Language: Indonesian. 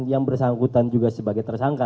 yang bersangkutan juga sebagai tersangka